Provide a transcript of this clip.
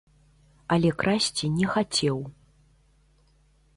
Але красці не хацеў.